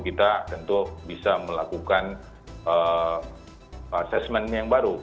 kita tentu bisa melakukan assessment yang baru